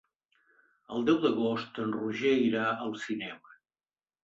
El deu d'agost en Roger irà al cinema.